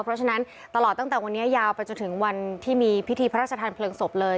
เพราะฉะนั้นตลอดตั้งแต่วันนี้ยาวไปจนถึงวันที่มีพิธีพระราชทานเพลิงศพเลย